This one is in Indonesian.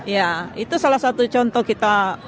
ya itu salah satu contoh kita